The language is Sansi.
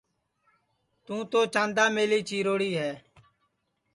تُوں تو چانداملی چیروڑی ہے